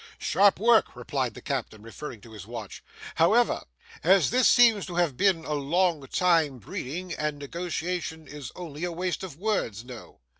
'Sharp work,' replied the captain, referring to his watch; 'however, as this seems to have been a long time breeding, and negotiation is only a waste of words, no.